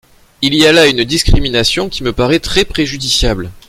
Il y a là une discrimination qui me paraît très préjudiciable.